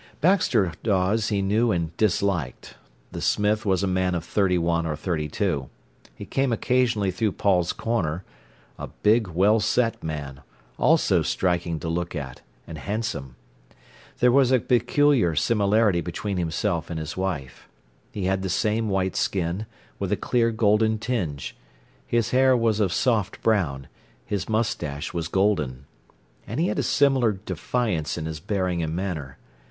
Baxter Dawes he knew and disliked. The smith was a man of thirty one or thirty two. He came occasionally through Paul's corner—a big, well set man, also striking to look at, and handsome. There was a peculiar similarity between himself and his wife. He had the same white skin, with a clear, golden tinge. His hair was of soft brown, his moustache was golden. And he had a similar defiance in his bearing and manner.